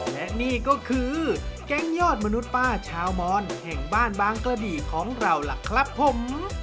และนี่ก็คือแก๊งยอดมนุษย์ป้าชาวมอนแห่งบ้านบางกระดีของเราล่ะครับผม